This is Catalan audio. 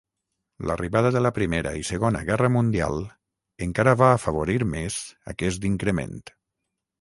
L'arribada de la Primera i Segona Guerra Mundial encara va afavorir més aquest increment.